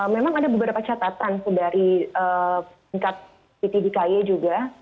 memang ada beberapa catatan dari tingkat stt di kaye juga